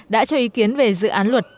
đã cho ý kiến về dự án luật